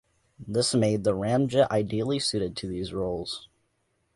This made the ramjet ideally suited to these roles.